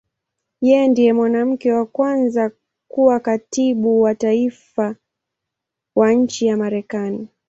Yeye ndiye mwanamke wa kwanza kuwa Katibu wa Taifa wa nchi ya Marekani.